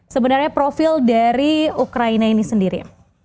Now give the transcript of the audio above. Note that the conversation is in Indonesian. sebenarnya profil dari ukraina ini sendiri